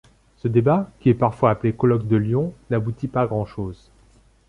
Ce débat, qui est parfois appelé Colloque de Lyon n'aboutit pas à grand chose.